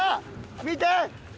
見て！